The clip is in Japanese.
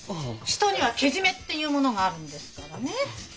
人にはけじめっていうものがあるんですからね。